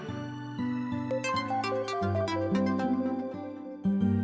aku lupa banget sih